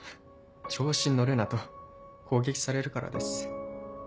「調子乗るな」と攻撃されるからです。